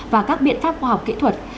và các biện pháp khoa học kỹ thuật